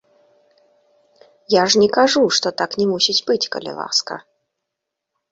Я ж не кажу, што так не мусіць быць, калі ласка.